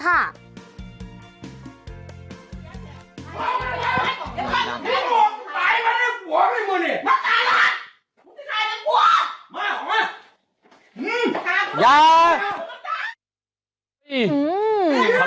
ตายมาด้วยหัวไอ้มันเนี่ยมันตายแล้วค่ะชายมันกลัวมาหรอมัน